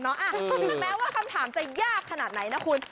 ถึงแม้ว่าคำถามจะยากขนาดไหนนะคุณ